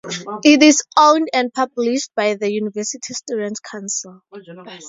It is owned and published by the University Students' Council.